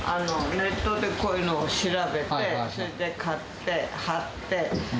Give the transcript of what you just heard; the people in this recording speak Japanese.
ネットでこういうのを調べて、それで買って、張って。